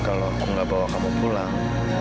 kalau aku gak mau pulang